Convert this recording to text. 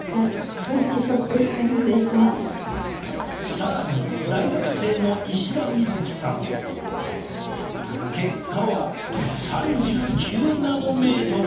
更に大学生の結果は３９ナノメートル！